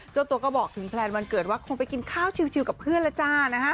เจ้าตัวก็บอกถึงแพลนวันเกิดว่าคงไปกินข้าวชิลกับเพื่อนแล้วจ้านะฮะ